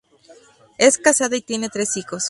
Es casada y tiene tres hijos.